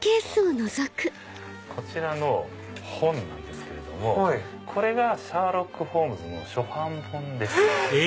こちらの本なんですけれども『シャーロック・ホームズ』の初版本です。え！